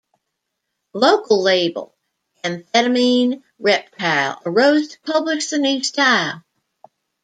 Local label Amphetamine Reptile arose to publish the new style.